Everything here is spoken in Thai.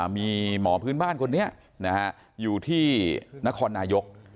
มีหมอพื้นบ้านคนนี้อยู่ที่นครนายก